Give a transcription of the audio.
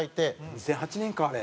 ２００８年かあれ。